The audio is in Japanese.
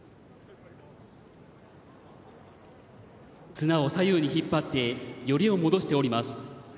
綱を左右に引っ張ってよりを戻しております。